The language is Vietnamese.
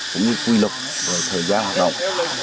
cũng như quy luật về thời gian hoạt động